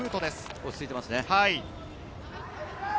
落ち着いていますね。